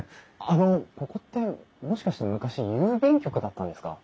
あのここってもしかして昔郵便局だったんですか？